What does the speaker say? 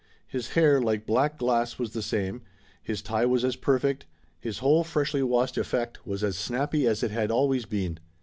His hair, like black glass, was the same, his tie was as perfect, his whole freshly washed effect was as snappy as it had always been.